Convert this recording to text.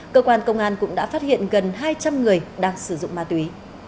cơ quan công an cũng đã phát hiện gần hai trăm linh người đang sử dụng ma túy